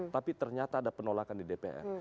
tapi ternyata ada penolakan di dpr